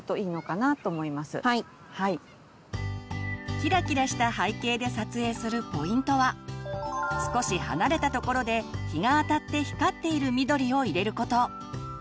キラキラした背景で撮影するポイントは少し離れたところで日があたって光っている緑を入れること。